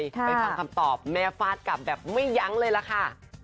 ไปฟังคำตอบแม่ฟาดกลับแบบไม่ยั้งเลยล่ะค่ะ